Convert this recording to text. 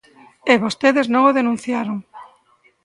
E vostedes non o denunciaron.